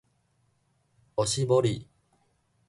お絞り